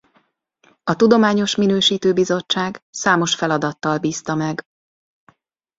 A Tudományos Minősítő Bizottság számos feladattal bízta meg.